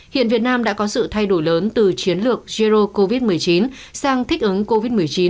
hiện việt nam đã có sự thay đổi lớn từ chiến lược zero covid một mươi chín sang thích ứng covid một mươi chín